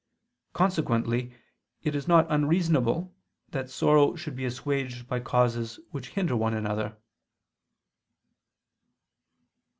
Consequently it is not unreasonable that sorrow should be assuaged by causes which hinder one another.